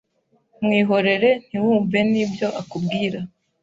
mwihorere ntiwumve nibyo akubwira”